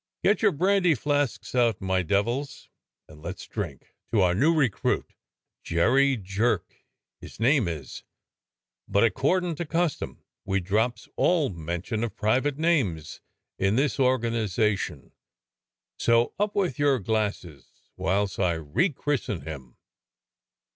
Get your brandy flasks out, my devils, and let's drink to our new recruit. Jerry Jerk his name is, 192 DOCTOR SYN but accordin' to custom we drops all mention of private names in this organization; so up with your glasses whilst I rechristen him.